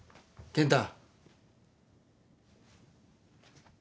健太。